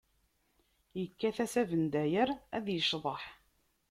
Ikkat-as abendayer ad icḍeḥ.